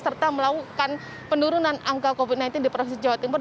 serta melakukan penurunan angka covid sembilan belas di provinsi jawa timur